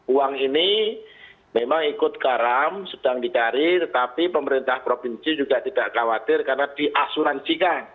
uang ini memang ikut karam sedang dicari tetapi pemerintah provinsi juga tidak khawatir karena diasuransikan